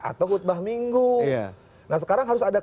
atau khutbah minggu